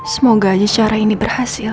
semoga aja cara ini berhasil